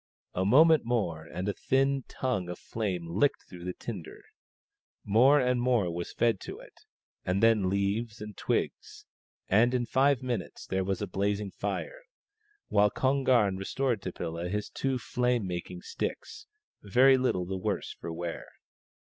A moment more and a thin tongue of flame licked through the tinder ; more and more was fed to it, and then leaves and twigs ; and in five minutes there was a blazing fire, while Kon gam restored to Pilla his two fiame making sticks, very little the worse for wear.